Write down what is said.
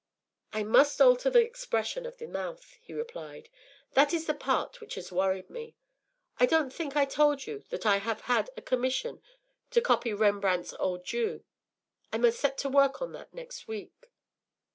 ” “I must alter the expression of the mouth,” he replied. “That is the part which has worried me. I don’t think I told you that I have had a commission to copy Rembrandt’s ‘Old Jew.’ I must set to work on that next week.